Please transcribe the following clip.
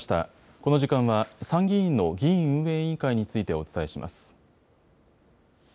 この時間は、参議院の議院運営委員会についてお伝えします。